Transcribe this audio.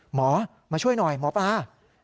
หมอมาช่วยหน่อยหมอปลา